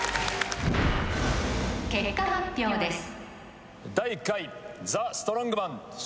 結果発表ですよっ！